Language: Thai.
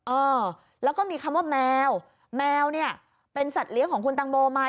เออแล้วก็มีคำว่าแมวแมวเนี่ยเป็นสัตว์เลี้ยงของคุณตังโมมา